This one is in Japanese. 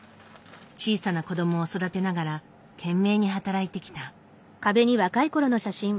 小さな子どもを育てながら懸命に働いてきた。